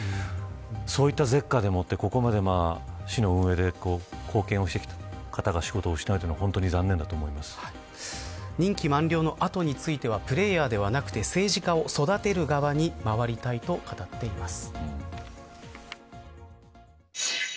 そういった舌禍でもって市の運営に貢献してきた方が仕事をできないのは任期満了の後についてはプレーヤーではなく政治家を育てる側にまわりたいと語っています。